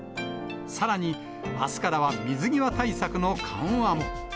さらにあすからは水際対策の緩和も。